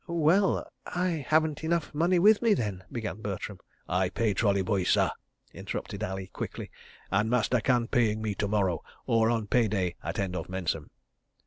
"Well—I haven't enough money with me, then—" began Bertram. "I pay trolley boys, sah," interrupted Ali quickly, "and Master can paying me to morrow—or on pay day at end of mensem."